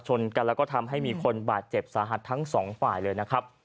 ชนกันแล้วก็ทำให้มีคนบาดเจ็บสาหัสทั้งสองฝ่ายเลยนะครับ